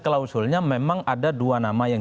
klausulnya memang ada dua nama yang